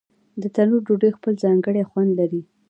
د تنور ډوډۍ خپل ځانګړی خوند لري.